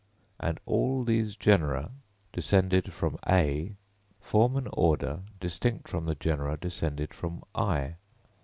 And all these genera, descended from (A), form an order distinct from the genera descended from (I).